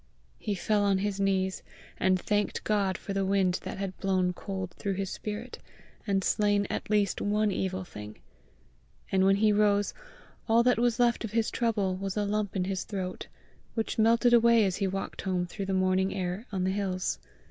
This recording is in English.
He fell on his knees, and thanked God for the wind that had blown cold through his spirit, and slain at least one evil thing; and when he rose, all that was left of his trouble was a lump in his throat, which melted away as he walked home through the morning air on the hills.